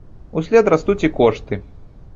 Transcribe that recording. Услед растуць і кошты.